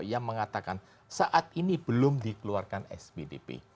yang mengatakan saat ini belum dikeluarkan spdp